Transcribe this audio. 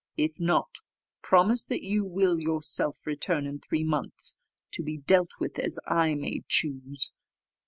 If not, promise that you will yourself return in three months, to be dealt with as I may choose."